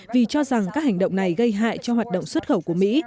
vì cho rằng các hành động này gây hại cho hoạt động xuất khẩu của mỹ